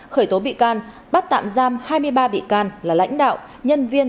khởi tố bị can bắt tạm giam hai mươi ba bị can là lãnh đạo nhân viên